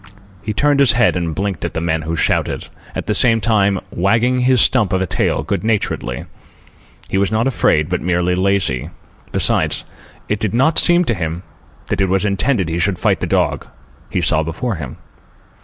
He turned his head and blinked at the men who shouted, at the same time wagging his stump of a tail good naturedly. He was not afraid, but merely lazy. Besides, it did not seem to him that it was intended he should fight with the dog he saw before him.